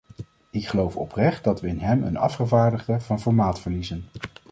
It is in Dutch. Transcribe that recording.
Ik geloof oprecht dat we in hem een afgevaardigde van formaat verliezen.